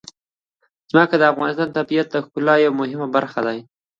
ځمکه د افغانستان د طبیعت د ښکلا یوه مهمه برخه ده.